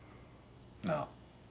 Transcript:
なあ？